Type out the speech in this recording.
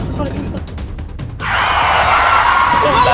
ya allah ya allah